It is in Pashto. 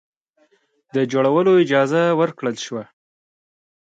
د جوړولو اجازه ورکړه شوه.